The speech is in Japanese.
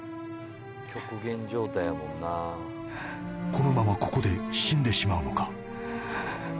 ［このままここで死んでしまうのか？］